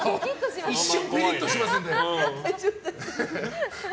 一瞬ピリッとしますんで。